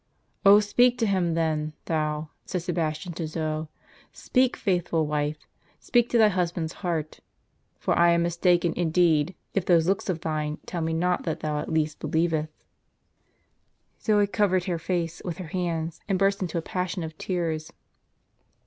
"Oh, speak to him then, thou!" said Sebastian to Zoe; "speak, faithful wife; speak to thy husband's heart; for I am mistaken indeed, if those looks of thine tell me not that tliou at least believest." Zoe covered her face with her hands, and burst into a i:)as sion of tears.